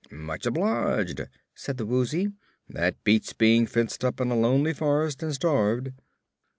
"Much obliged," said the Woozy. "That beats being fenced up in a lonely forest and starved."